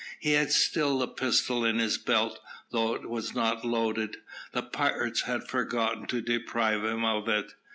He had still a pistol in his belt, though it was not loaded. The pirates had forgotten to deprive him of it.